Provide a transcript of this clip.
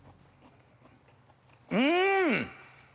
うん！